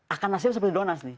akan nasir seperti donas nih